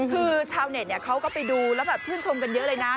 คือชาวเน็ตเขาก็ไปดูแล้วแบบชื่นชมกันเยอะเลยนะ